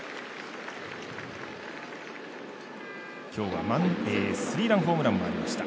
今日はスリーランホームランもありました。